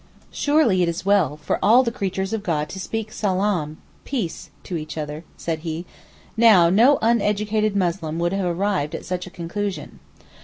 'Surely it is well for all the creatures of God to speak peace (Salaam) to each other,' said he. Now, no uneducated Muslim would have arrived at such a conclusion.